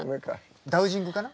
ダウジングかな？